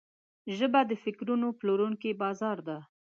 ژبه د فکرونو پلورونکی بازار ده